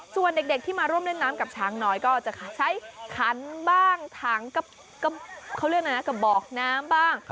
ส่วนเด็กที่มาร่วมเล่นน้ำกับช้างน้อยก็จะใช้ขันบ้างถังเขาเรียกอะไรนะกระบอกน้ำบ้าง